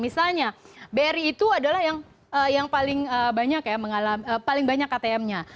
misalnya bri itu adalah yang paling banyak atmnya